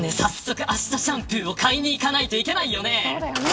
早速あしたシャンプーを買いに行かないといけないよね。